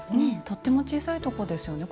とっても小さいとこですよね。